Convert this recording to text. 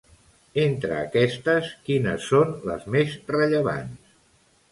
Entre aquestes, quines són les més rellevants?